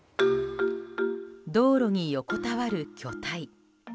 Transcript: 道路に横たわる巨体。